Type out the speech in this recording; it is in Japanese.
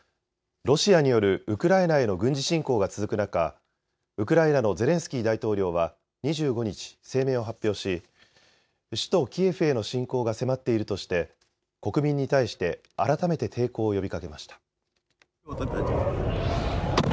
ロシアによるウクライナへの軍事侵攻が続く中、ウクライナのゼレンスキー大統領は２５日、声明を発表し首都キエフへの侵攻が迫っているとして国民に対して改めて抵抗を呼びかけました。